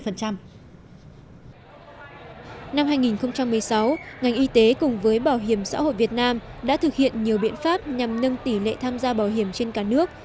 năm hai nghìn một mươi sáu ngành y tế cùng với bảo hiểm xã hội việt nam đã thực hiện nhiều biện pháp nhằm nâng tỷ lệ tham gia bảo hiểm trên cả nước